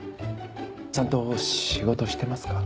ちゃんと仕事してますか？